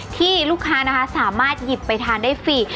ที่ลูกค้านะคะสามารถหยิบไปทานได้ฟรี